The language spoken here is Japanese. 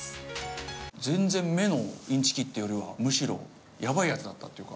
全然「め」のインチキっていうよりはむしろやばいやつだったというか。